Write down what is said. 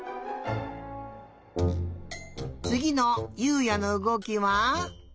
つぎの優海也のうごきは。